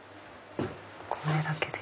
これだけで。